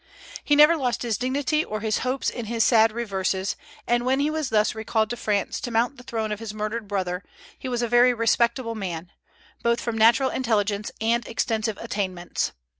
He never lost his dignity or his hopes in his sad reverses; and when he was thus recalled to France to mount the throne of his murdered brother, he was a very respectable man, both from natural intelligence and extensive attainments.